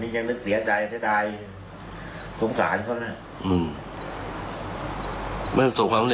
จะลองทำให้ได้